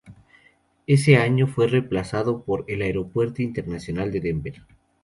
Ese año, fue reemplazado por el Aeropuerto Internacional de Denver.